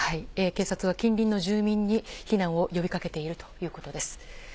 警察は近隣の住民に、避難を呼びかけているということです。